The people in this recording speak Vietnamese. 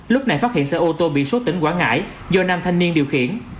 lúc này phát hiện xe ô tô biển số tỉnh quảng ngãi do nam thanh niên điều khiển